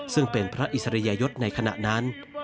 ซึ่งเป็นพระอิสริยยศในขณะนั้น